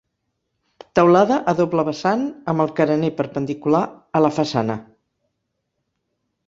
Teulada a doble vessant amb el carener perpendicular a la façana.